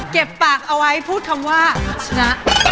เก็บปากเอาไว้พูดคำว่าชนะ